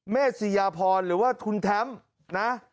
เมษิยาพรหรือว่าคุณแท้มนะ